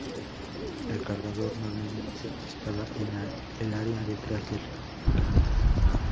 El cargador normalmente estaba en el área detrás del cañón.